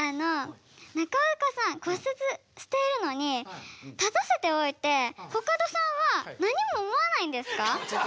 中岡さん骨折しているのに立たせておいてコカドさんは何も思わないんですか？